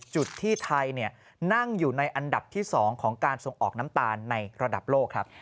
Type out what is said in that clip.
จุดที่ไทยนั่งอยู่ในอันดับที่๒ของการส่งออกน้ำตาลในระดับโลกครับ